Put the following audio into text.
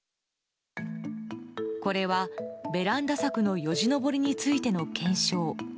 これは、ベランダ柵のよじ登りについての検証。